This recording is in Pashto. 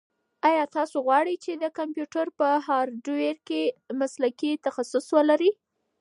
ایا تاسو غواړئ چې د کمپیوټر په هارډویر کې مسلکي تخصص ولرئ؟